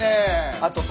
あとさ